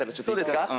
そうですか？